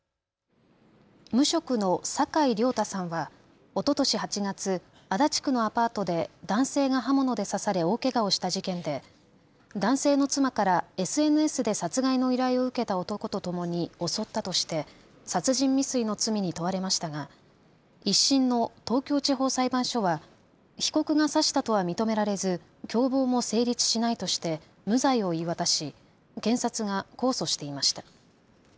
無職の酒井亮太さんはおととし８月、足立区のアパートで男性が刃物で刺され大けがをした事件で男性の妻からＳＮＳで殺害の依頼を受けた男とともに襲ったとして殺人未遂の罪に問われましたが１審の東京地方裁判所は被告が刺したとは認められず共謀も成立しないとして無罪を言い渡し検察が控訴していました。